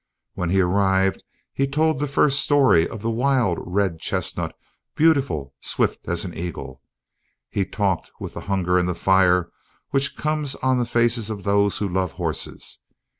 When he arrived, he told the first story of the wild red chestnut, beautiful, swift as an eagle. He talked with the hunger and the fire which comes on the faces of those who love horses.